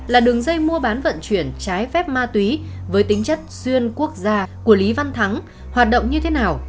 là đường dây mua bán vận chuyển trái phép ma túy với tính chất xuyên quốc gia của lý văn thắng hoạt động như thế nào